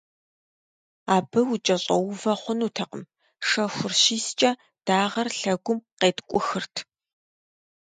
Абы укӏэщӏэувэ хъунутэкъым - шэхур щискӀэ, дагъэр лъэгум къеткӀухырт.